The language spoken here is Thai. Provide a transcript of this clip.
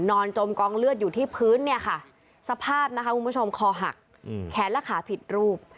จมกองเลือดอยู่ที่พื้นเนี่ยค่ะสภาพนะคะคุณผู้ชมคอหักแขนและขาผิดรูป